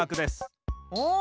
お！